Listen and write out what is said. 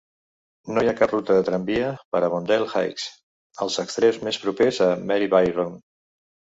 No hi ha cap ruta de tramvia per Avondale Heights: els extrems més propers a Maribyrnong.